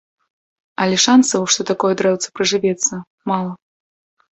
Але шанцаў, што такое дрэўца прыжывецца, мала.